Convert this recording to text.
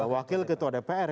wakil ketua dpr